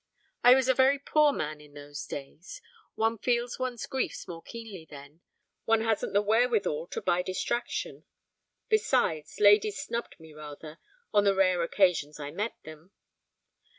I was a very poor man in those days. One feels one's griefs more keenly then, one hasn't the wherewithal to buy distraction. Besides, ladies snubbed me rather, on the rare occasions I met them.